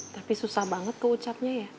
tapi susah banget kok ucapnya ya